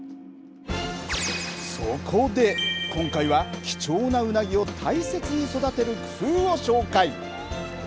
そこで、きょうは貴重なうなぎを大切に育てる工夫を紹介。